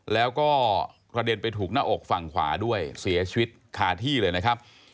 แล้วก็กระเด็นไปถูกหน้าอกฝั่งขวาด้วยเสียชีวิตคาที่เลยนะครับ